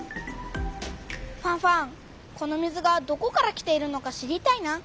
ファンファンこの水がどこから来ているのか知りたいな。